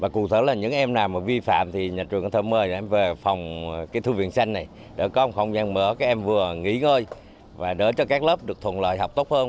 không gian mở các em vừa nghỉ ngơi và đỡ cho các lớp được thuận lợi học tốt hơn